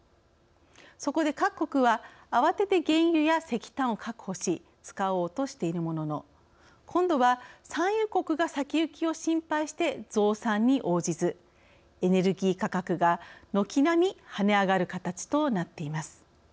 そこで、各国は慌てて原油や石炭を確保し使おうとしているものの今度は産油国が先行きを心配して増産に応じずエネルギー価格が軒並み跳ね上がる形となっています。